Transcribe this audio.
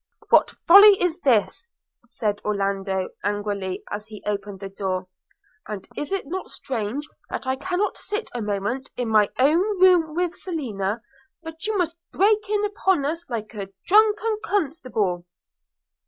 'What folly is this!' said Orlando angrily as he opened the door – 'and is it not strange that I cannot sit a moment in my own room with Selina, but you must break in upon us like a drunken constable?'